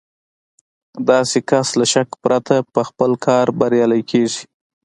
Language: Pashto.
داسې کس له شکه پرته په خپل کار بريالی کېږي.